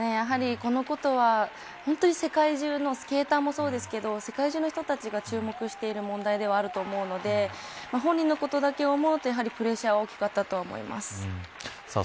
このことは、本当に世界中のスケーターもそうですが世界中の人たちが注目している問題ではあると思いますので本人のことだけを思うとプレッシャーが大きかったと思います。